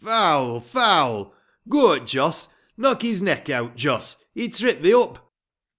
"Foul! Foul!" "Go it, Jos! Knock his neck out! Jos! He tripped thee up!"